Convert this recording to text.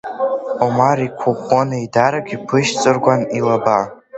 Омар иқәыӷәӷәон еидарак, иԥышьҵыргәан илаба.